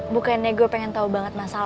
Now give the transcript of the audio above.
bukannya gue pengen tau banget masalah lo